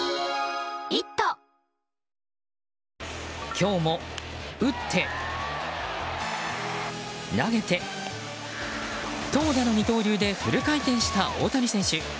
今日も、打って投げて投打の二刀流でフル回転した大谷選手。